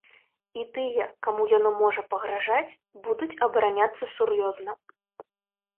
І тыя, каму яно можа пагражаць, будуць абараняцца сур'ёзна.